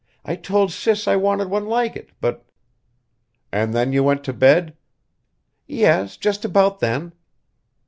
I told Sis I wanted one like it, but " "And then you went to bed?" "Yes, just about then."